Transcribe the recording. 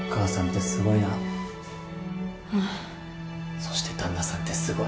そして旦那さんってすごい。